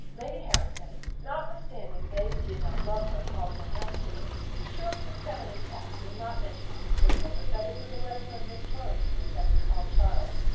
Lady Harrington, notwithstanding they who did not love her called her masculine, showed some feminine tact in not mentioning to Sir Gilbert that it was a letter from Miss Torrington which had recalled Charles.